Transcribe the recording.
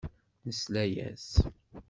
Nesla-as.